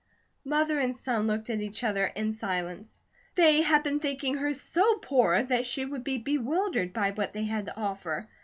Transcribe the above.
Mother and son looked at each other in silence. They had been thinking her so poor that she would be bewildered by what they had to offer.